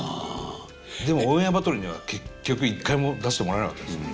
でも「オンエアバトル」には結局一回も出してもらえなかったですね。